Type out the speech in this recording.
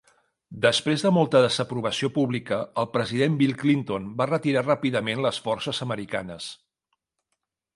Després de molta desaprovació pública, el president Bill Clinton va retirar ràpidament les forces americanes.